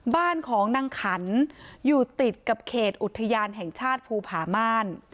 บ้านของนางขันอยู่ติดกับเขตอุทยานแห่งชาติภูผาม่าน